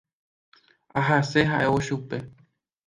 Asẽ ha'évo chupe.